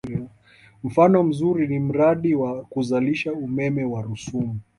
Mfano mzuri ni mradi wa kuzalisha umeme wa Rusumo